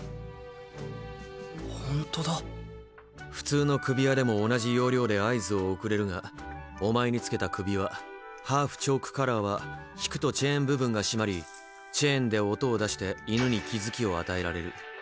ほんとだ普通の首輪でも同じ要領で合図を送れるがお前につけた首輪「ハーフ・チョーク・カラー」は引くとチェーン部分が締まりチェーンで音を出して犬に気付きを与えられる。